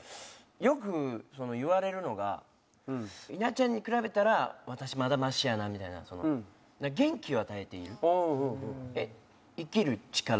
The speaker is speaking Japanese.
よく言われるのが「稲ちゃんに比べたら私まだマシやな」みたいな。生きる力。